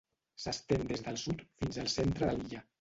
S'estén des del sud fins al centre de l'illa.